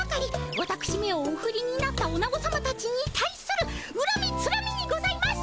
わたくしめをおフリになったオナゴさまたちに対するうらみつらみにございます。